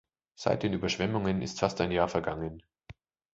Seit den Überschwemmungen ist fast ein Jahr vergangen.